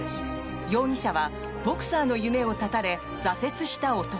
容疑者は、ボクサーの夢を絶たれ挫折した男。